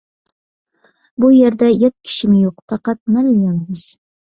بۇ يەردە يات كىشىمۇ يوق، پەقەت مەنلا يالغۇز.